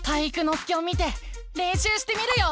介を見てれんしゅうしてみるよ！